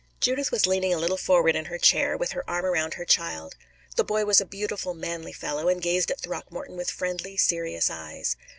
Judith was leaning a little forward in her chair, with her arm around her child. The boy was a beautiful, manly fellow, and gazed at Throckmorton with friendly, serious eyes.